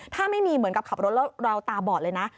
ถ้าไม่มีเหมือนกับขับรถแล้วเราตาบอดเลยนะ